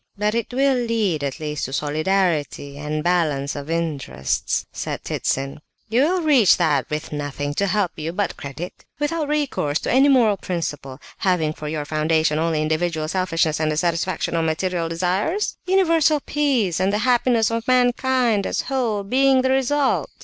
"But it will lead at least to solidarity, and balance of interests," said Ptitsin. "You will reach that with nothing to help you but credit? Without recourse to any moral principle, having for your foundation only individual selfishness, and the satisfaction of material desires? Universal peace, and the happiness of mankind as a whole, being the result!